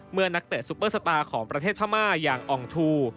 นักเตะซุปเปอร์สตาร์ของประเทศพม่าอย่างอองทู